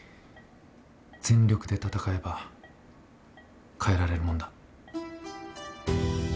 全力で闘えば変えられるもんだ。